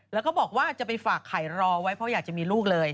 แล้วก็บอกว่าจะไปฝากไข่รอไว้เพราะอยากจะมีลูกเลย